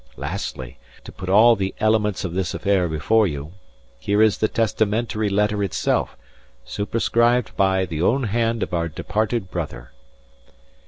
Lastly, to put all the elements of this affair before you, here is the testamentary letter itself, superscrived by the own hand of our departed brother."